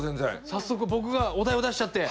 早速僕がお題を出しちゃって？